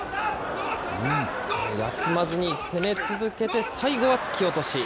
休まずに攻め続けて、最後は突き落とし。